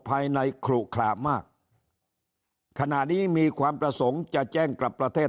ภายในขลุขระมากขณะนี้มีความประสงค์จะแจ้งกลับประเทศ